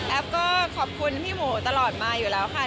ก็ขอบคุณพี่หมูตลอดมาอยู่แล้วค่ะ